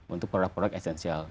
untuk produk produk essential